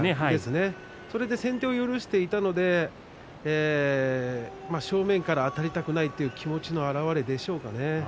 それで先手を許していたので正面からあたりたくないという気持ちの表れでしょうかね。